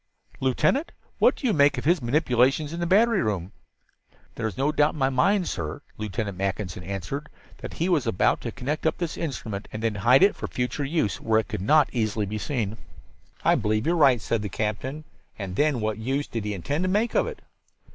"Lieutenant, what do you make of his manipulations in the battery room?" "There is no doubt in my mind, sir," Lieutenant Mackinson answered, "that he was about to connect up this instrument and then hide it for future use where it could not easily be seen." "I believe you are right," said the captain. "And then what use did he intend to make of it?"